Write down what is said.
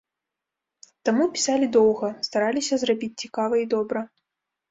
Таму пісалі доўга, стараліся зрабіць цікава і добра.